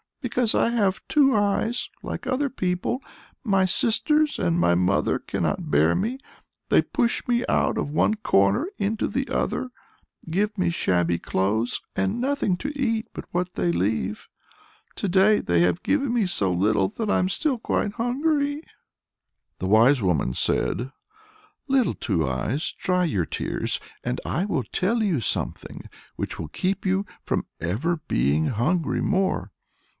Because I have two eyes, like other people, my sisters and my mother cannot bear me; they push me out of one corner into the other, give me shabby clothes, and nothing to eat but what they leave. To day they have given me so little that I am still quite hungry." The wise woman said, "Little Two Eyes, dry your tears, and I will tell you something which will keep you from ever being hungry more.